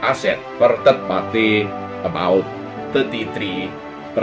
aset per tiga bagian sekitar tiga puluh tiga